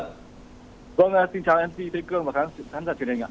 vâng xin chào mc tây cương và khán giả truyền hình ạ